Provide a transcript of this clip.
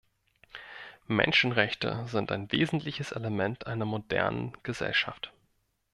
Menschenrechte sind ein wesentliches Element einer modernen Gesellschaft.